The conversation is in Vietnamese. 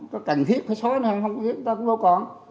có cần thiết phải xóa nữa không không cần thiết ta cũng đâu còn